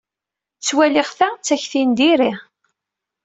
Ttwaliɣ ta d takti n diri.